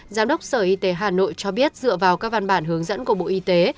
giám đốc sở y tế hà nội cho biết dựa vào các văn bản hướng dẫn của bộ y tế